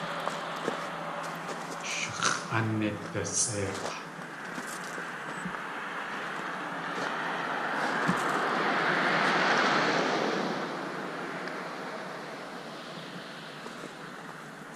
Sh x̲ʼanidasʼeik̲!